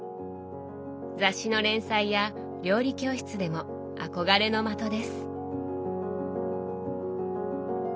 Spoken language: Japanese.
雑誌の連載や料理教室でも憧れの的です。